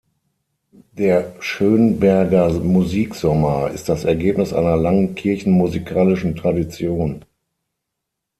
Der Schönberger Musiksommer ist das Ergebnis einer langen kirchenmusikalischen Tradition.